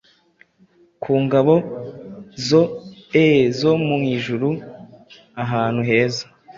Ku ngabo zoe zo mu Ijuru ahantu heza